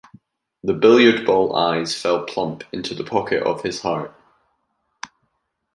The billiard-ball eyes fell plump into the pocket of his heart.